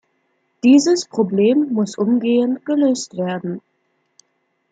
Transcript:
Dieses Problem muss umgehend gelöst werden.